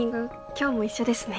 今日も一緒ですね。